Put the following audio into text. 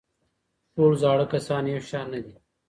ټول زاړه کسان یو شان نه دي.